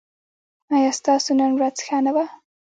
ایا ستاسو نن ورځ ښه نه وه؟